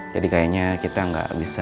jadi kayaknya kita nggak bisa